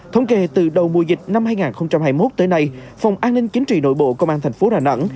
thống kê từ đầu mùa dịch năm hai nghìn hai mươi một tới nay phòng an ninh chính trị nội bộ công an thành phố đà nẵng